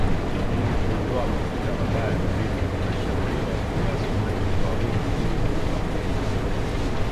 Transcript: Ili kuondoa mafuta mabaya mwilini unashauriwa kula samaki kwa wingi ili kuupa mwili nguvu